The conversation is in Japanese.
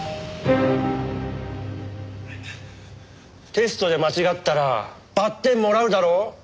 テストで間違ったらバッテンもらうだろう？